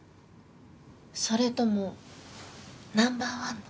それともナンバーワンの。